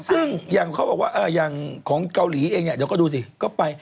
ซึ่งอย่างเขาบอกว่าอย่างของเกาหลีเองเนี่ยเดี๋ยวก็ดูสิก็ไป